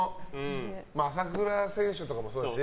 朝倉選手とかもそうですし。